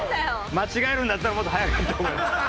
間違えるんだったらもっと早く決めた方が。